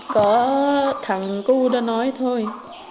có thằng cô đã nói thôi